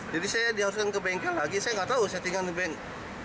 jadi saya diharuskan ke bengkel lagi saya nggak tahu settingan di bengkel